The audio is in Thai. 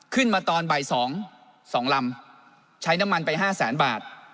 ขึ้นมาตอนบ่ายสองสองลำใช้น้ำมันไปห้าแสนบาท